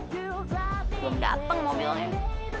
belum dateng mobilnya